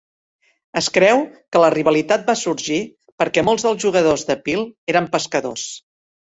Es creu que la rivalitat va sorgir perquè molts dels jugadors de Peel eren pescadors.